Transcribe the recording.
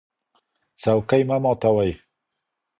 څوکۍ مه ماتوئ.